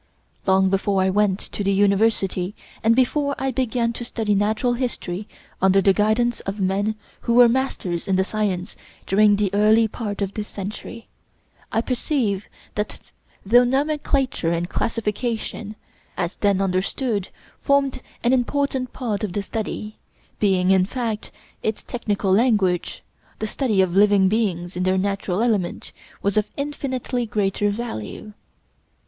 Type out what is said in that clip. Long before I went to the university, and before I began to study natural history under the guidance of men who were masters in the science during the early part of this century, I perceived that though nomenclature and classification, as then understood, formed an important part of the study, being, in fact, its technical language, the study of living beings in their natural element was of infinitely greater value.